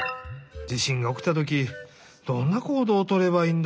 地しんがおきたときどんな行動をとればいいんだろう？